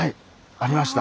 ありました。